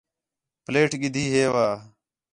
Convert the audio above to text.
پلیٹ گِدی ہِیو